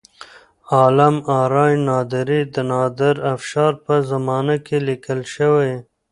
عالم آرای نادري د نادر افشار په زمانه کې لیکل شوی.